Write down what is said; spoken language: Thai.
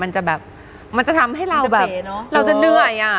มันจะแบบมันจะทำให้เราแบบเราจะเหนื่อยอ่ะ